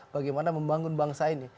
bagaimana membangun bangsa ini